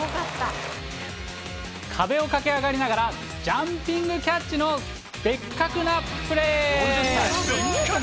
壁を駆け上がりながら、ジャンピングキャッチのベッカクなプレー。